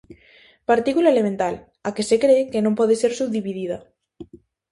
Partícula elemental: A que se cre que non pode ser subdividida.